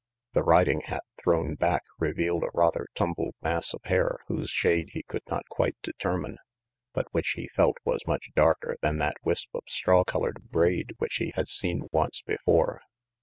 The riding hat, thrown back, revealed a rather tumbled mass of hair whose shade he could not quite determine, but which, he felt, was much darker than that wisp of straw colored braid which he had seen once before.